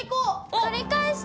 取り返した！